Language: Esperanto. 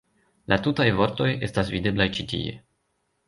La tutaj vortoj estas videblaj ĉi tie.